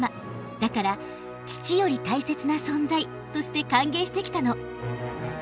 だから「父より大切な存在」として歓迎してきたの。